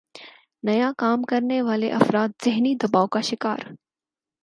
نیا کام کرنے والےافراد ذہنی دباؤ کا شکار